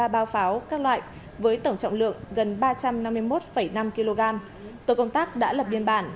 ba bao pháo các loại với tổng trọng lượng gần ba trăm năm mươi một năm kg tổ công tác đã lập biên bản